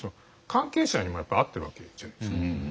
関係者にもやっぱり会ってるわけじゃないですか。